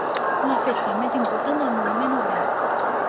La festa més important del moviment obrer.